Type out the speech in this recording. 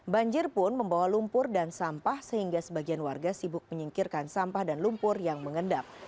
banjir pun membawa lumpur dan sampah sehingga sebagian warga sibuk menyingkirkan sampah dan lumpur yang mengendap